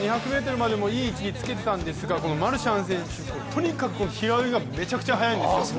２００ｍまでもいい位置につけていたんですがマルシャン選手、とにかく平泳ぎがめちゃくちゃ速いんですよ。